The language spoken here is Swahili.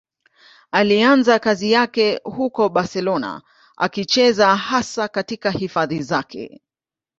Alianza kazi yake huko Barcelona, akicheza hasa katika hifadhi zake.